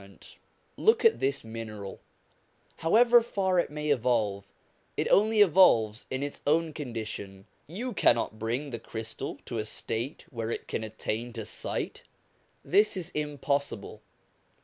j 270 POWERS AND CONDITIONS OF MAN 271 Look at this mineral : however far it may evolve, it only evolves in its own condition; you cannot bring the crystal to a state where it can attain to sight : this is impossible.